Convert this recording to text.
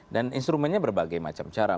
instrumennya berbagai macam cara